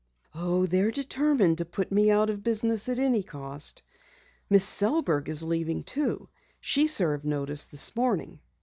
"Oh, they're determined to put me out of business at any cost. Miss Sellberg is leaving, too. She served notice this morning."